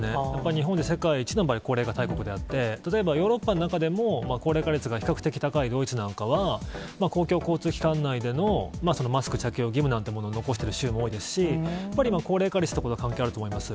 日本って世界一の高齢化大国であって、例えばヨーロッパの中でも、高齢化率が比較的高いドイツなんかは、公共交通機関内でのマスク着用義務なんてものを残してる州も多いですし、やっぱり高齢化率とかが関係あると思います。